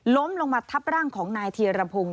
ล้มลงมาทับร่างของนายเทียระพงศิษฐิ